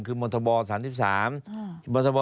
คือมศ๓๓